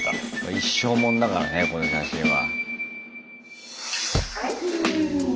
一生もんだからねこの写真は。